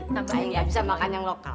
tambah yang gak bisa makan yang lokal